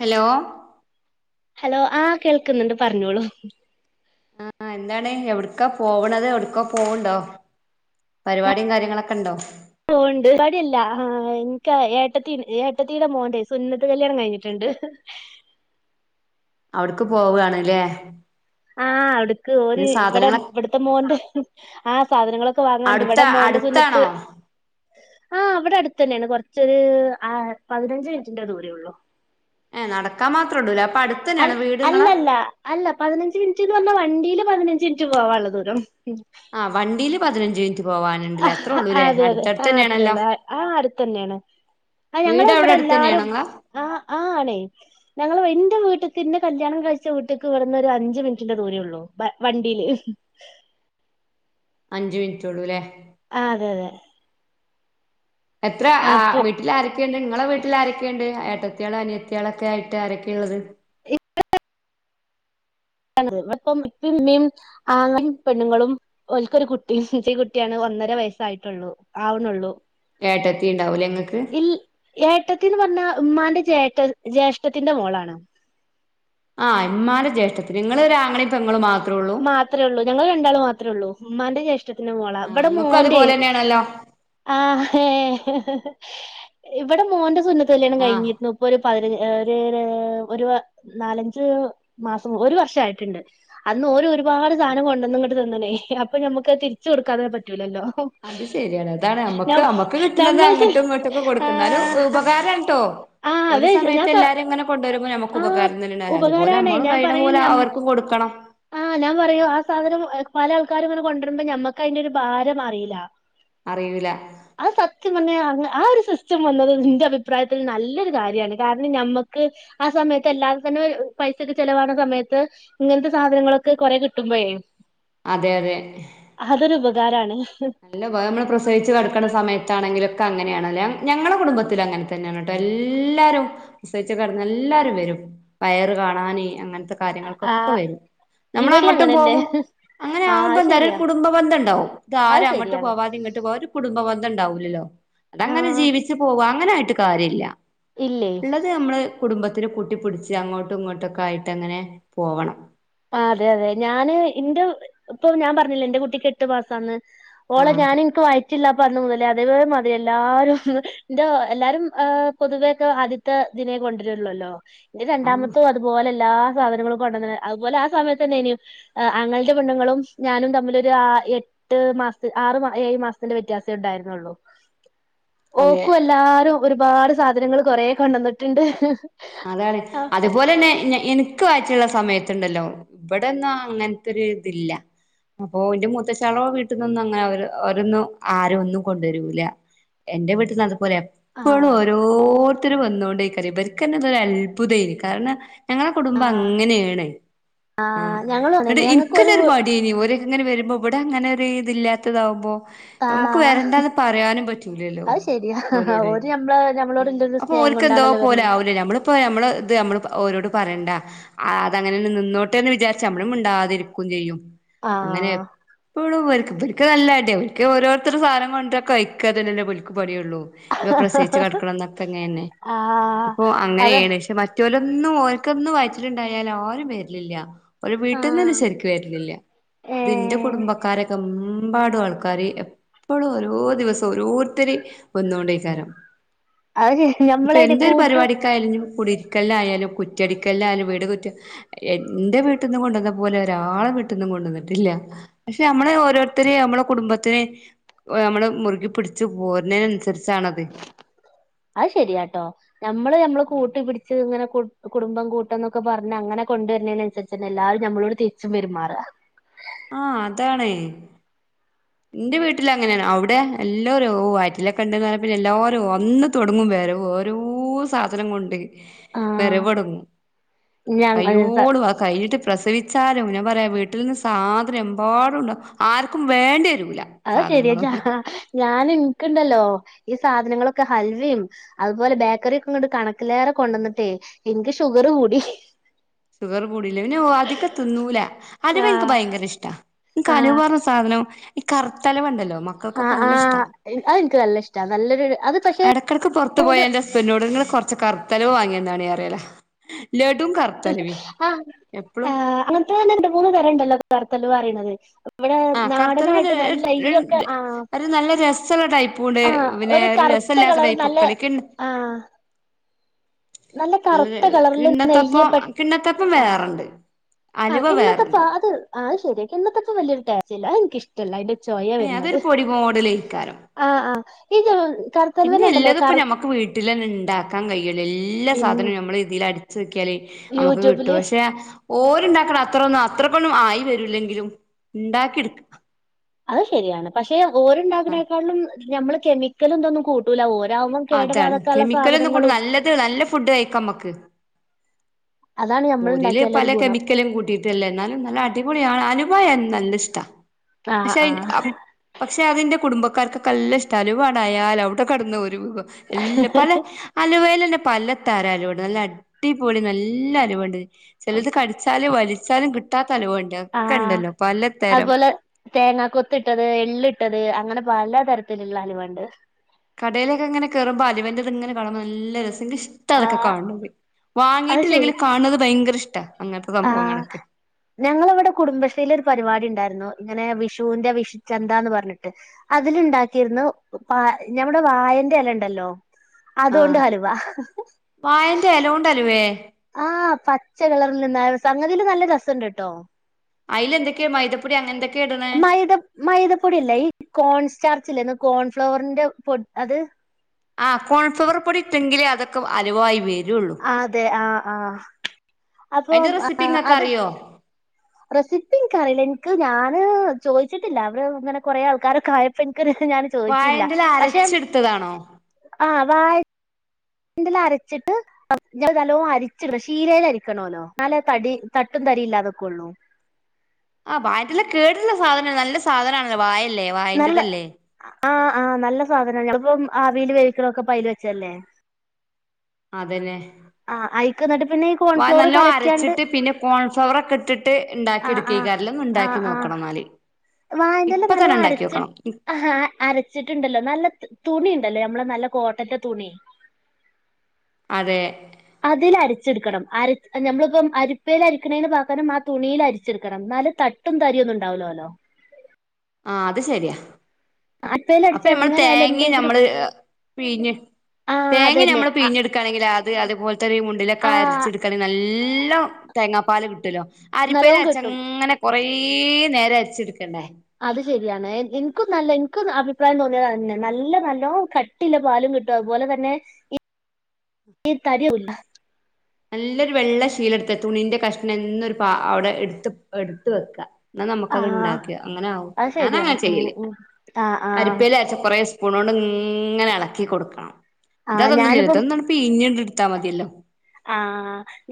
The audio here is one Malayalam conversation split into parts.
ഹലോ. ഹലോ ആഹ് കേൾക്കുന്നുണ്ട് പറഞ്ഞോളൂ ആഹ് എന്താണ് എവിട്ക്കാ പോവണത് എവിട്ക്കോ പോവുണ്ടോ? പരിപാടിയും കാര്യങ്ങളൊക്കെ ഇണ്ടോ? ഓൻ ഇണ്ട്. പരിപാടി അല്ല ആഹ് എൻക് ആ ഏട്ടത്തീ ഏട്ടത്തീടെ മോന്റേ സുന്നത്ത് കല്യാണം കഴിഞ്ഞിട്ട് [unintelligible] അവിട്ക്ക് പോവാണ് ല്ലേ ആഹ് അവിടുക്ക് ഓര് ഇവടെ ഇവിടുത്തെ മോന്റെ ആഹ് സാധനങ്ങളൊക്കെ വാങ്ങാണ്ട്. അടുത്ത ഇവ്ടെ മോന്റെ സുന്നത്ത് അടുത്താണോ ആഹ് അവ്ടെ അടുത്ത് തന്നെയാണ്. കൊറച്ചൊരു ആഹ് പതിനഞ്ച് മിനിറ്റിന്റെ ദൂരേ ഉള്ളു ഏഹ് നടക്കാൻ മാത്രേ ഉള്ളൂലേ അപ് അൽ അല്ലല്ല അല്ല പതിനഞ്ച് മിനിറ്റ്ന്ന് പറഞ്ഞാ വണ്ടിയില് പതിനഞ്ച് മിനിറ്റ് പോവാള്ള ദൂരം ആഹ് വണ്ടിയില് പതിനഞ്ച് മിനി അഹ് അതെ അതെ തന്നെയാണല്ലോ അത്രയേള്ളൂ ആഹ് അടുത്തന്നെയാണ് ആഹ് ഞങ്ങള് വീട് അവിടെ ഇവിടെ അടുത്ത് എല്ലാരും തന്നെയാണോ ഇങ്ങളെ ആഹ് ആഹ് ആണേ ഞങ്ങള് വെ എന്റെ വീട്ട്ക്ക്ന്നെ കല്യാണം കഴിച്ച വീട്ടേക്ക് ഇവ്ട്ന്നൊരഞ്ച് മിൻറ്റിന്റെ ദൂരേ ഒള്ളൂ ബ വണ്ടീല് അഞ്ച് മിൻറ്റ് ഉള്ളൂവല്ലേ ആഹ് അതെഅതെ എത്ര ആഹ് വീട്ടിൽ ആരൊക്കെയുണ്ട് ഇങ്ങളെ വീട്ട്ലാരൊക്കെയുണ്ട് ഏട്ട ട്ട്യള് അനിയത്തിയാളൊക്കെ ആയിട്ട് ആരൊക്കെക്കെയാ ഉള്ളത് അപ്പം ഇപ്പമ്മ ആങ്ങ പെണ്ണുങ്ങളും ഓൾക്കൊരു കുട്ടിയാണ് ഒന്നര വയസായിട്ടുള്ളൂ ആവണള്ളൂ ട്ടത്തി ഉണ്ടാവൂലേ ഇങ്ങക്ക് ഇൽ ഏട്ടത്തിന് പറഞ്ഞാ ഉമ്മാ ജേഷ ജ്യേഷ്ഠത്തിന്റെ മോളാണ് ആഹ് ഇമാന്റെ ജ്യേഷ്ഠ്ട നിങ്ങൾ ഒരു ആങ്ങളയും പെങ്ങളും ആഹ് മാത്രമേ ഉള്ളൂ ഞങ്ങൾ രണ്ടാൾ മാത്രമേ ഉള്ളൂ ഉമ്മാന്റെ ജേഷ് ഇഷ്ടത്തിന് മോള ആ അവിടെ ഇങ്ങക്കും മോന്റെ അതുപോലെ തന്നെയാണല്ലോ ആഹ് ഏഹ് ഇവിടെ മോന്റെ സുന്നത്ത് കല്യാണം ആ കഴിഞ്ഞിരുന്നു ഇപ്പൊ പതിന ഒരു വർ നാലഞ്ച് മാസം ഒരു വർഷയിട്ടുണ്ട് അന്ന്ഓര് ഒരുപാട് സാധനം കൊണ്ടുവന്ന് ഇങ്ങട്ട് തന്നന്നേ അപ്പൊ നമുക്ക് തിരിച്ച് കൊടുക്കാതെ പറ്റൂലല്ലോ അത് ശരിയാണ് അതാണ് നമ്മക്ക് നം അമ്മക്ക് കിട്ടണുന്നത് നമ്മൾത് അങ്ങോട്ടും ഇങ്ങോട്ടും ഒക്കെ കൊടുക്കുന്നാലും ആഹ് ഉപകാര കേട്ടോ ആഹ് ഒരു അതെ ഞാൻ സമയത്ത് പ എല്ലാരും ഇങ്ങനെ കൊണ്ടുവരുമ്പോൾ നമ്മക്ക് ആഹ് ഉപകാരം അതുപോലെ ഉപകാരാണേ നമ്മള് ഞാൻ കഴിയുന്ന പറയും പോലെ നം അവർക്കും കൊടുക്കണം ആഹ് ഞാൻ പറയൂ ആഹ് സാധനം പല ആൾക്കാരും ഇങ്ങനെ കൊണ്ടുവരുമ്പോ ഞമ്മക്ക് അതിന്റെ ഒരു ഭാരം അറിയില്ല അറിയൂല അത് സത്യം പറഞ്ഞാ അങ്ങ ആഹ് ഒരു സിസ്റ്റം വന്നത് നിന്റെ അഭിപ്രായത്തിൽ നല്ലൊരു കാര്യമാണ് കാരണം ഞമ്മുക്ക് ആഹ് സമയത്ത് എല്ലാവരും തന്നെ പൈസയൊക്കെ ചെലവാകുന്ന സമയത്ത് ഇങ്ങനത്തെ സാധനങ്ങളൊക്കെ കൊറെ കിട്ടുമ്പോഴേ അതെ അതെ ഇതാരാണ് നല്ല വേ നമ്മള് പ്രസവിച്ച് കടക്ക്ണ സമയത്താണെങ്കിലു ക്കെ അങ്ങനെയാണ് ലേ ഞങ്ങളെ കുടുംബത്തില് അങ്ങനെ തന്നേണ് ട്ടോ എല്ലാരും പ്രസവിച്ച് കെടന്നാ എല്ലാരും വരും വയറ് കാണാന് അങ്ങനത്തെ ആ കാര്യങ്ങൾക്കൊക്കെ വരും ഇവിടെ നമ്മളങ്ങട്ടും അങ്ങനെന്നെ പോകും അങ്ങനെ ആ ആവുമ്പോ അത് എന്താറ്യോ ഒരു ശരിയാ കുടുംബ ബന്ധം ഇണ്ടാവും. അത് ഇതാരും അങ്ങട്ട് ശരിയാണ് പോകാതിം ഇങ്ങട്ട് പോവാ ഒരു കുടുംബ ബന്ധംണ്ടാവൂലല്ലോ ആ അതങ്ങനെ ജീവിച്ച് പോവാ അങ്ങനായിട്ട് കാര്യല്ല ഇല്ലേ ഇള്ളത് ഞമ്മള് കുടുംബത്തിനെ കൂട്ടി പുടിച്ച് അങ്ങോട്ടും ഇങ്ങോട്ടൊക്കെ ആയിട്ട് അങ്ങനെ പോവണം. ആ അതെ അതെ ഞാന് എന്റെ ഇപ്പൊ ഞാൻ പറഞ്ഞില്ല എന്റെ കുട്ടിക്ക് എട്ട് മാസാന്ന് ഓള ആഹ് ഞാൻ എനിക്ക് വയറ്റിലുള്ള അപ്പ അന്ന് മുതലേ അതേപോലെ മാതിരി എല്ലാവരും എന്റെ എല്ലാരും പൊതുവേ ഒക്കെ ആദ്യത്തെദിനേ കൊണ്ടിരള്ളല്ലോ എന്റെ ആഹ് രണ്ടാമത്തും അതുപോലെ എല്ലാ സാധനങ്ങളും കൊണ്ടു വ അതുപോലെ ആ സമയത്ത് തന്നെ ഇനും ആങ്ങളയുടെ പെണ്ണുങ്ങളും ഞാനും തമ്മിൽ ഒരു എട്ട് മാസ ആറു ഏഴു മാസത്തിന്റെ വ്യത്യാസമേ ഉണ്ടായിരുന്നുള്ളു അതെ ഓക്കും എല്ലാരും ഒരുപാട് സാധനങ്ങൾ കൊറ കൊണ്ടുവന്നിട്ടുണ്ട് അതാണ് ആഹ് അതുപോലെ തന്നെ എനിക്ക് വയിറ്റിലുള്ള സമയത്തുണ്ടല്ലോ ഇവിടെന്നും അങ്ങനത്തെ ഒരു ഇതില്ല അപ്പൊ എന്റെ മൂത്തശാളോ വീട്ടന്നൊന്നും അങ്ങനെ അവ ഒരന്നും ആരും ഒന്നും കൊണ്ടുവരൂല എന്റെ വീട്ടിൽ നട എപ്പോഴും ആഹ് ഓരോരുത്തരും വന്ന കൊണ്ടേയിരി ഇവർക്ക് തന്നെ അതൊരു അത്ഭുതമായിരുന്നു കാരണം ഞങ്ങളുടെ കുടുംബം അങ്ങനെയാണ് ആ ഞങ്ങളും അങ്ങനെ എന്നട്ട് ഞങ്ങൾക്ക് എനിക്കല്ല ഒരു പാടിനി ഓരക്കെ ഇങ്ങനെ വരുമ്പ ഇവിടെ അങ്ങനെ ഒരു ഇതില്ലാത്തതാവുമ്പോ നമുക്ക് ആഹ് വരന്താന്ന് പറയാനും പറ്റൂലല്ലോ അത് ശരിയാ ഓലോട് ഓര് നമ്മള് ഉ നമ്മളോടുള്ളൊരു അപ്പൊ സ്നേഹം അവക്കെന്തോ കൊണ്ടാണല്ലോ പോലെ വരുന്നത് അവ മ്മപ്പോ നമ്മ ഇത് നമ്മഓരോട് പറയണ്ട അതങ്ങനെെ നിന്നോട്ടെ വിചാരിച്ച നമ്മളും ഉണ്ടാതിരിക്ക ചെയും അങ്ങനെ ആഹ് എപ്പോഴും നല്ല അ ഒരിക്കക്ക് ഓരോരു സാധനം കൊണ്ട് കഴിക്കക്ക അല്ല പുലുക്ക് പൊടി പ്രസവിച്ച് കിടക്കണ അങ്ങനെയാണ് ആഹ് അത് പക്ഷെ ഓർക്കൊന്നും വയ റ്റിലുണ്ടായാൽ ആരും വരിലില്ല ഒരു വീട്ടിൽ നിന്ന് ആഹ് ശരിക്ക് വരുന്നില്ല ഇത് എന്റെ ഏഹ് കുടുംബക്കാരൊക്കെ എമ്പാടും ആൾക്കാര് എപ്പോഴും ഓരോ ദിവസം ഓരോരുത്തര് വന്നോണ്ട് ഇരിക്കാന് അത് ശ നമ്മള കു പരിപാടിക്കായിരുന്നു കുടി ഇരിക്കല്ല്ല ആയാലും കുറ്റടിക്കെല്ലാം ആയാലും വീട് കുറ്റ എന്റെ വീട്ടിൽ നിന്ന് കൊണ്ടുവന്ന പോലെ ഒരാള ട്ടന്ന കൊണ്ടുവന്നിട്ടില്ല പക്ഷെ നമ്മള ഓരോരുത്തര നമ്മളെ കുടുംബത്തിനെ നമ്മള് മുറുകി പിടിച്ചു പോരുന്നന് അനുസരിച്ചാണത് അത് ശെരിയാട്ടോ നമ്മള് നഞമ്മള് കൂട്ടി പിടിച്ച് ഇങ്ങനെ കു കുടുംബം കൂട്ടം എന്നൊക്കെ പറഞ് അങ്ങനെ കൊണ്ടുവരുന്നതിനന് അനുസരിച്ച് തന്നെ എല്ലാരും നമ്മളോട് തിരിച്ചും പെരുമാറുക ആഹ അതാണേ എന്റെ വീട്ടില അങ്ങനെയാണ് അവിടെ എല്ലാവരും ഓ ആറ്റിലൊക്കെ ഉണ്ടന്ന് പറഞ്ഞ പിന്നെ എല്ലാവരും അന്ന് തുടങ്ങുമ്പ ഓരോ സാധനം കൊണ്ട് ആഹ് വിറവൊന്നങ്ങും ഞ കയ്യോളവാ കയ്യിലിട്ട് പ്രസവിച്ചാലും ഞാൻ പറയാ വീട്ടിൽ നിന്ന് സാധനം എമ്പാടുണ്ടാവും ആർക്കും വേണ്ടി വരൂല അഹ ശെരിയാ സാധനങ്ങളൊന്നും [unintelligible] ഞാനും ക്ക്ണ്ടല്ലോ ഈ സാധനങ്ങളൊക്കെ ഹൽവിം അതുപോലെ ബേക്കറിയൊക്കെങ്ങട്ട് കണക്കിലേറെ കൊണ്ടന്ന്ട്ടേ ഇൻക്ക് ഷുഗർ കൂടി ഷുഗർ കൂടിലെ പിന്നെ ഓ അധക തിന്നൂല അലവിൻക്ക് ആഹ് ഭയങ്കരഷ്ട ആഹ് ൻകലുവാർഞ് സാധനം ഇ കറ്ത്തല് വണ്ടല്ലോ ആ ആ അ ൻക്ക് നല്ലഇഷ്ട നല്ലൊരു അത് പക്ഷെ എടക്കെടക്ക് പുറത്ത് പോയന്റസ്ബന്റ്നോട് ങ്ങള് കൊറച്ച് കറ്ത്തലുവ വാങ്ങിയെന്നാണിന്നറിയല ആ എപ്പളും ആ അങ്ങനത്തെ തന്നെ രണ്ട് മൂന്ന് തരണ്ടല്ലോ കർത്തല്വന്നറിണത് അവിടെ ആ കറുത്തലുവ നാടനായിട്ട് നല്ല ഈൊക്കെ ആ ഒരു നല്ല രസമുള്ള ടൈപ്പും ഉണ്ട് ആഹ പിന്നെ ഒരു കറുത്ത രസമില്ലാത്ത കളർ ടൈപ്പ് നല്ല ഒക്കെ ഇടയ്ക്ക് ആഹ നല്ല കറുത്ത കളറില് കിണ്ണത്തപ്പം നെയകിപ്പെെട കിണ്ണത്തപ്പം ആ വേറെണ്ട് ആഹ് അലുവ കിണ്ണത്തപ്പ വേറെണ്ട് അത് ആഹ ശരി കിണ്ണത്തപ്പ വലിയൊരു ടാച്ചല്ല എനക്ക് ഇഷ്ടമല്ല അതിന്റെ ചൊയ ഏ വരുന്നത് അതൊരു പൊടി മോടലയിക്കാലോ ആ ഈ പിന്നെ കറുത്തലുവൻ ഉണ്ടല്ലോ എല്ലാത്പ്പ കറു ഞമ്മക്ക് വീട്ടിൽന്നെ ഉണ്ടാക്കാൻ കഴിയ എല്ലാ പിൻ സാധനവും നമ്മൾ ഇതിൽ അടിച്ചു നോക്കിയാല് നമുക്ക് കിട്ടും യൂട്യൂബില് പക്ഷെ ഓര്ണ്ടാക്കണം അത്ര ഒന്നും അത്ര കൊന്നും ആയി വരൂല്ലെങ്കിലും ഉണ്ടാക്കി എടുക്ക അത് ശരിയാണ് പക്ഷെ ഓരണ്ടാകതിനേക്കാളിലും നഞമ്മള് കെമിക്കല എന്തൊന്നും കൂട്ടൂല ഓരോ അതാണ് കെമിക്കല ഒന്നും കൊണ്ട് നല്ലത് നല്ല ഫുഡ് കഴിക്കാംമ്മക്ക് അതാണ് നമ്മൾ രില് ഉണ്ടാക്കിയാലൊരു പല ഗുണം കെമിക്കലും കൂട്ടിയിട്ടല്ലേ എന്നാലും നല്ല അടിപൊളിയാണ് അനുഭവം നല്ല ഇഷ്ട ആ പക്ഷെ ആ പക്ഷെ അതിന്റെ കുടുംബ ക്കർക്ക കല്ല ഇഷ്ടാലുവേ അയയാാല അവിടെ കടന്ന പോ എല്ല് പല അലുവലല്ലെ പല ര അലവണ്ട് നല്ല അടിപൊളി നല്ല അലവുണ്ട് ചിലത് കടിച്ചാലും വലിച്ചാലും കിട്ടാ ലവുണ്ട് ക്ക ണ്ടല്ലോ പല്തരം തേങ്ങാ കൊത്ത്ട്ടത് എള് ഇട്ടത് അങ്ങനെ പലതരത്തിലുള്ള അലവണ്ട് കടയിലൊക്കെ ഇങ്ങനെ കേറുമ്പോ അലിൻന്റെ ഇങ്ങനെ നല്ല രസം ഭങ്ക ഇഷ്ട അതൊക്കെ ആഹ് കാണ പോയി വാങ്ങീട്ടില്ലെങ്കിലിൽ കാണുന്നത് ഭയങ്കര ഇഷ്ടാ അങ്ങനത്തെ ആ് സംഭവങ്ങളൊക്കെ ഞങ്ങളവിടെ കുടുംബശ്രീയില ഒരു പരിപാടി ഉണ്ടായിരുന്നു ഇങ്ങനെ വിഷുവിന്റെ വിഷു ചന്താന്ന് പറഞ്ഞിട്ട് അതിലുണ്ടാക്കിയിരുന്ന് പ നഞമ്മുടെ വായ എ അല ഉണ്ടല്ലോ ആഹ് അതുകൊണ്ട് ഹലവാ [unintelligible] വാഴന്റെ എലോണ്ട് അലുവേ ആഹ പച്ച കളറിൽ സംങ്ങതിൽ നല്ല രസണ്ട് കേട്ടോ അയില എന്തൊെയ മൈതപ്പൊടി അങ്ങ എന്തൊക്കെ മൈ മൈദപ്പൊടില്ലേ ഈ കോൺസ്റ്റാർ [unintelligible] കോൺഫ്ലോറിന്റെ് പൊഅത് ആ കോൺഫ്ലവർ പൊടി ഇട്ടെങ്കിലേ അതൊക്കെ അലുവായി വെര് അതെ ആഹ ആഹ അയിന്റെ അപ്പം റെസിപ്പി ആ ഇങ്ങക്ക് അത് അറിയോ റെസിപ്പി ക്ക്റിയില്ല എനിക്ക് ഞാന് ചോദിച്ചിട്ടില്ല അവര് അങ്ങനെ കൊറേ ആൾക്കാരൊക്കൊയപ്പോ എ ര്സംഞൻ ചോയീച്ചീല്ല വാഴന്റെല പക്ഷെ അരച്ചെടുത്തതാണോ ആ് വ ന്റിൽ അരച്ചിട്ട് ഞ നല്ലോണം അരിച്ചിട്ട് ശീലേലരിക്കണല്ലോ എന്നലെ തടി തട്ടു തരിയില്ലാതെ കൊള്ളൂ ആഹ് വായിറ്റില് കേടുള്ള സാധന നല്ല സാധനാണല്ലോ വായല്ലേ വായിന്റതല്ലേ ആഹ് ആഹ് നല്ല സാധനം ഞങ്ങളിപ്പം ആവിൽ വേവിക്കണതൊക്കെ ഇപ്പലിൽ വെച്ചല്ലേ അതന്നെ ആഹ് അഐക്ക് എന്നിട്ട് പിന്നെ ഈ വ കോൺഫ്ലോർ നല്ലോ കലക്കിയാണ്ട് അരച്ചിട്ട് പിന്നെ കോൺഫ്ലവർ ഒക്കെ ഇട്ടിട്ട് ആ ഇണ്ടാക്കി എടുക്കിയെക അല്ലന്നുണ്ടാക്കി നോക്കണം വന്നാല് വായന്റെല്ലാം നല്ല അരച്ചി ആ അരച്ചിട്ടുണ്ടല്ലോ നല്ല തുണിഉണ്ടല്ലോ ഞമ്മള നല്ല കോട്ടന്റെ തുണി അതെ അതിൽരച്ചെടുക്കണം അര നമ്മളിപ്പം അരിപ്പൽ അരിക്കണു പകരം ആ തുണിൽ അരിച്ചെടുക്കണം ന്നല് തട്ടും തരിഒന്നും ഉണ്ടാവുലോല്ലോ ആഹ് അത് ശരിയാ അരിപ്പയിൽ അപ്പൊ അടിച്ച നമ്മള് എങ്ങനെയായാലും തേങ്ങ എന്തെങ്കിലും നമ്മള് പിഴിഞ്ഞ് ആ തേങ്ങ അതന്നെ നമ്മള് പിഞ്ഞെടുക്കുകണെങ്കിൽ ആദ് അ അതുപോൽതന്നെ ഈ മുണ്ടിലൊക്കെ ആ അരിച്ചെടുക്കാണെ നാല്ല തേങ്ങാപ്പാൽ കിട്ടുല്ലോ അരിപ്പയിൽ നല്ലോം അരിച്ച് കിട്ടും അങ്ങനെ കൊറേ നേരം അരിച്ചെടുക്കണ്ടേ അത് ശരിയാണ് എനിക്കും നല്ല എനിക്കും അഭിപ്രായം തോന്നിയ അതന്നെ നല്ല നല്ലോ കട്ടിയുളള പാലും കിട്ടും അതുപോലെ തന്നെ ഇ ഇ തരിയുല്ല നല്ലൊരു വെള്ള ശീലെടുത്ത തുണിന്റെ കഷ്ണം എന്നരുപ അവിടെ എടുത്ത് എടുത്ത് വെക്ക ന്ന ആ നമുക്കത്ണ്ടാക്കിയ അങ്ങനെ ആവും അത് ഞാനങ്ങനെ ശരിയാണ് ഉം ചെയ്യല് ഉം ആ ആ അരിപ്പെൽലരിച്ച കൊറെ സ് പുണോണ്ട് ഇങ്ങനെ ഇളക്കി കൊടുക്കണം ആ ഇത ഞാനിപ്പം അതൊന്നുംല്ലതൊന്നുംണുപ്പിഞ്ഞ് ഇടുത്താ മതിയല്ലോ ആ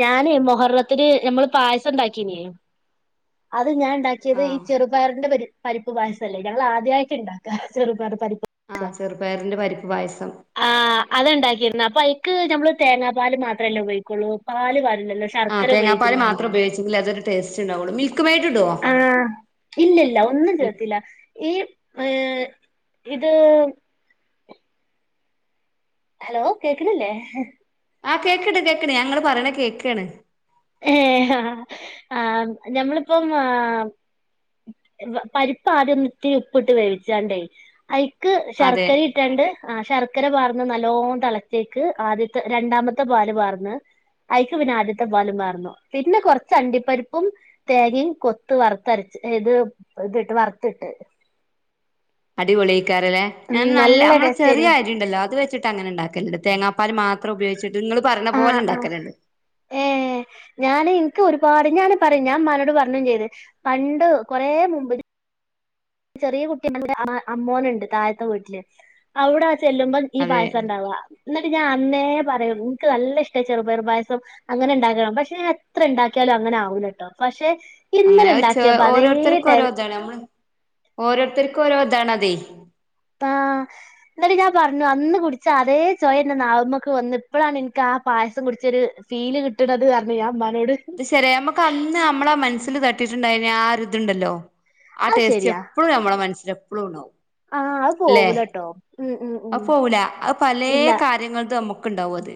ഞാന് മൊഹർളത്തിന് ഞമ്മള് പായസം ഉണ്ടാക്കീനി ഇത് ഞാൻ ഇണ്ടാക്കിയത് ഈ ആഹ് ചെറുപയറിന്റെ പരി പരിപ്പ് പായസല്ലേ ഞങ്ങള് ആദ്യായിട്ട് ഇണ്ടാക്കാ ചെറുപയർ പരി ആഹ് [unintelligible] ചെറുപയറിന്റെ പരിപ്പ് പായസം ആഹ് അതാണ്ടാക്കി യേര്ന്ന് അപ്പ അയ് ക്ക് ഞമ്മള് തേങ്ങാ പാല് മാത്രല്ലേ ഉപയോഗിക്കൊള്ളൂ പാല് കാ ഇല്ലല്ലോ ആഹ് ശർക്കര തേങ്ങാപ്പാല് ഉപയോഗിക്കുന്നോണ്ട് മാത്രം ഉപയോഗിച്ചെങ്കിലേ അതൊരു ടേസ്റ്റ് ഉണ്ടാവുള്ളൂ മിൽക്ക് മെയ്ഡ് ഇടുവോ? ആഹ് ഇല്ലല്ല ഒന്നും ചേർത്തില ഈ ഇഹ് ഇത് ഹലോ കേക്ക്ണില്ലേ? ആഹ് കേക്ക്ണ്ട് കേക്ക്ണ്ട് ഞാ ഇങ്ങള് പറയ്ണ കേക്കാണ്. ഏഹ് ഹാ ആ ഞമ്മളിപ്പം ആ പരിപ്പ് ആദ്യം ഒന്ന് ഇത്തിരി ഉപ്പിട്ട് വേവിച്ചാണ്ടേ അയ് ക്ക് അതെ ശർക്കരി ഇട്ടാണ്ട് ആ ശർക്കര പാർന്ന് നല്ലോം തളച്ചേക്ക് ആദ്യത്തെ രണ്ടാമത്തെ പാല് പാർന്ന് അയ്ക്ക് പിന്നെ ആദ്യത്തെ വാലുംമാർന്നു പിന്നെ കൊറച്ച് അണ്ടിപരിപ്പും തേങ്ങി കൊത്ത് വറ്ത്തരച്ച് ഏഹ് ത് തിട്ട് വറത്തിട്ട് അടിപൊള്‌യെയ്ക്കാരലേ ഉം ഞാൻ നല്ല അമ്മളെ ടേസ്റ്റ് ചെറിയ ആയിരുന്നു അരി ഇണ്ടല്ലോ അത് വെച്ചിട്ട് അങ്ങനെ ഇണ്ടാക്കല്ണ്ട് തേങ്ങാ പ്പാല് മാത്രം ഉപയോഗിച്ചിട്ട് നിങ്ങള് പറഞ്ഞ പോലെ ആഹ് ആഹ് ഇണ്ടാക്കലുണ്ട്. ക്ക് ഒരുപാട് ഞാന് പറയും ഞാൻ ഉമ്മനോട് പറഞ്ഞും ചെയ്ത് പണ്ട് കൊറേ മുമ്പ് ചെറിയ കുട്ടി [unintelligible] അമ്മോനുണ്ട് താഴത്തെ വീട്ടില് അവിടെ ചെല്ലുമ്പോം ഈ അതെ പായസം ഉണ്ടാവ. എന്നിട്ട് ഞാൻ അന്നേ പറയും എനിക്ക് നല്ല ഇഷ്ടയി ചെറുപയറുപായസം അങ്ങനെ ഉണ്ടാക്കണം പക്ഷെ ഞാൻ എത്ര ഉണ്ടാക്കിയ അങ്ങനെ ആവൂലാട്ടോ പക്ഷെ അങ്ങനെ ഇന്നലെ വച്ച് ഉണ്ടാക്കിയപ്പോ അതേ ഓരോരുത്തർക്കും ടേ ഓരോതാണ് നമ്മള് ഓരോരുത്തർക്കും ഓരോതാണതെയ്. ന്നിട്ട് ഞാൻ പറഞ്ഞു അന്ന് കുടിച്ച അതേ ചൊയ ന്റെനാവമ്മക്ക് വന്ന് പ്പഴാണ് ൻക്ക് ആ പായസം കു ച്ച ഫീല് കിട്ടണത് പറഞ്ഞ് ഞാൻ ഉമ്മാ അത് ശെരിയ നമ്മുക്ക് ഒന്ന് നമ്മളെ മനസ്സിൽ തട്ടീട്ടുണ്ടായിന് ആ ഒരു ഇതുണ്ടല്ലോ. ആ അത് ടേസ്റ്റ് ശരിയാ എപ്പോളും നമ്മള മനസ്സിൽ എപ്പോളും ഉണ്ടാവും. ആ അത് ല്ലെ പോവൂലട്ടോ ഉം ഉം അ ഉം പോവൂല പലെ ഇല്ല കാര്യങ്ങൾ നമുക്ക് ക്കുണ്ടാവും അത്.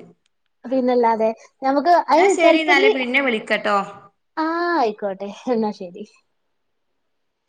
പിന്നല്ലാതെ. ഞമുക്ക് എന്നാ അത് ശരി എന്നാല് ചെൽപ്പങ്കി പിന്നെ വിളിക്കട്ടോ ആഹ് ആയിക്കോട്ടെ എന്നാ ശരി.